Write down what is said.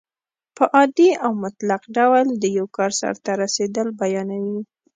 په عادي او مطلق ډول د یو کار سرته رسېدل بیانیوي.